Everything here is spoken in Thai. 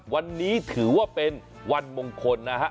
วันนี้ถือว่าเป็นวันมงคลนะฮะ